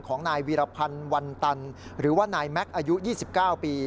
ของนายวีรพันธ์วันตันหรือว่านายแม็กซ์อายุ๒๙ปี